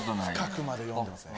深くまで読んでますね。